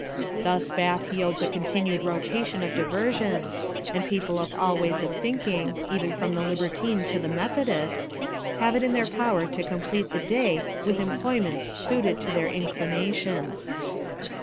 Thus Bath yields a continued rotation of diversions, and people of all ways of thinking, even from the libertine to the methodist, have it in their power to complete the day with employments suited to their inclinations.